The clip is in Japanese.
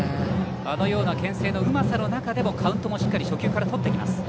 あのようなけん制のうまさの中でもカウントもしっかり初球からとってきます。